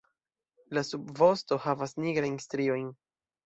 La subvosto havas nigrajn striojn.